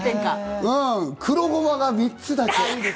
黒ごまが３つだけ。